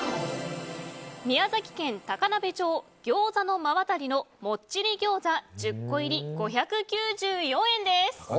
宮崎県高鍋町、餃子の馬渡のもっちり餃子１０個入り、５９４円です。